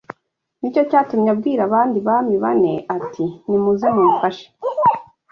Ni cyo cyatumye abwira abandi bami bane ati ‘nimuze mumfashe